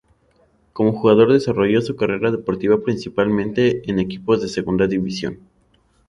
Como jugador desarrolló su carrera deportiva principalmente en equipos de Segunda División.